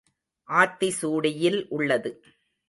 ஆத்தி சூடியில் உள்ளது.